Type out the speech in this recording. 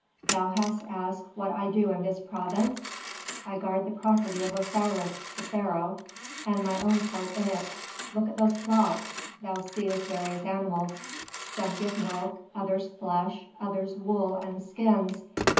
"Thou hast asked what I do in this province? I guard the property of Osiris, the pharaoh, and my own part in it. Look at those flocks; thou seest various animals. Some give milk, others flesh, others wool and skins.